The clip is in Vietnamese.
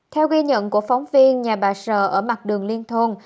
theo ghi nhận của phóng viên nhà bà sở ở mặt đường liên thôn